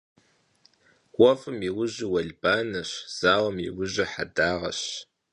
Vuef'ım yi vujır vuelbaneş, zauem yi vujır hedağeş.